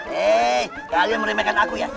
hei kalian meremehkan aku ya